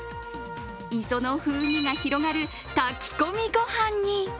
磯の風味が広がる炊き込みご飯に。